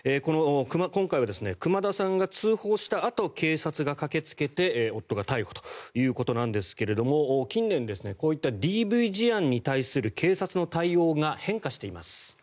今回は熊田さんが通報したあと警察が駆けつけて夫が逮捕ということなんですが近年こういったＤＶ事案に対する警察の対応が変化しています。